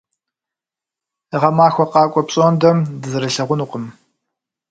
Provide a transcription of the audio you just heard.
Гъэмахуэ къакӏуэ пщӏондэ дызэрылъэгъунукъым.